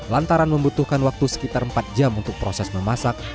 lantaran membutuhkan waktu sekitar empat jam untuk proses memasak